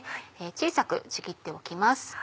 小さくちぎっておきます。